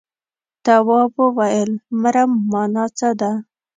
تواب وويل: مرم مانا څه ده.